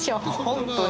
本当に！